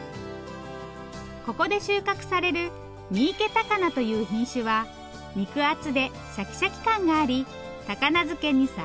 ここで収穫される三池高菜という品種は肉厚でシャキシャキ感があり高菜漬けに最適。